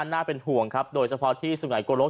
น่าเป็นห่วงครับโดยเฉพาะที่สุไงโกลก